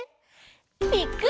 ぴっくり！